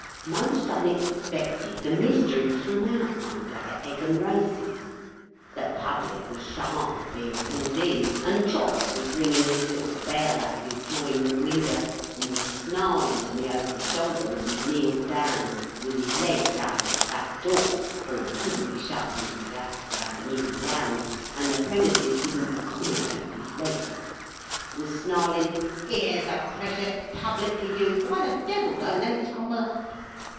Most unexpected, the mystery come out one day at Egham Races. The Public was shy of bein pulled in, and Chops was ringin his little bell out of his drawing room winder, and was snarlin to me over his shoulder as he kneeled down with his legs out at the back door—for he couldn't be shoved into his house without kneeling down, and the premises wouldn't accommodate his legs—was snarlin, "Here's a precious Public for you; why the Devil don't they tumble up?"